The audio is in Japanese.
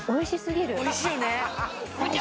おいしいよね最高！